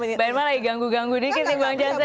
mbak irma lagi ganggu ganggu dikit sih bang jansen